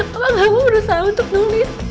tukang kamu berusaha untuk nulis